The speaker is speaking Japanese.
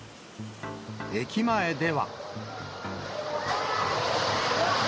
駅前では。